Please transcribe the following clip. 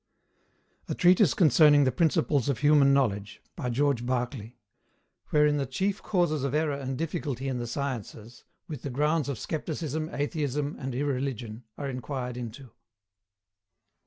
A Treatise Concerning the Principles of Human Knowledge by George Berkeley (1685 1753) WHEREIN THE CHIEF CAUSES OF ERROR AND DIFFICULTY IN THE SCIENCES, WITH THE GROUNDS OF SCEPTICISM, ATHEISM, AND IRRELIGION, ARE INQUIRED INTO.